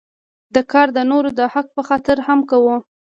دا کار د نورو د حق په خاطر هم کوو.